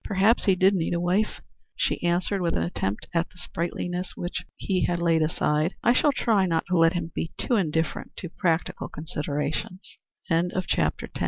"Perhaps he did need a wife," she answered with an attempt at the sprightliness which he had laid aside. "I shall try not to let him be too indifferent to practical considerations." CHAPTER III. "Who is Dr. Page?"